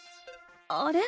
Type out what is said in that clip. あれ？